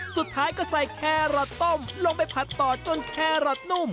สุดท้ายก็ใส่แครอทต้มลงไปผัดต่อจนแครอทนุ่ม